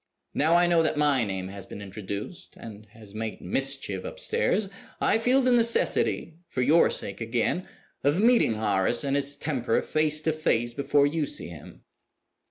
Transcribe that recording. Now I know that my name has been introduced, and has made mischief upstairs, I feel the necessity (for your sake again) of meeting Horace and his temper face to face before you see him.